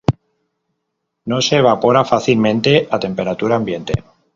No se evapora fácilmente a temperatura ambiente.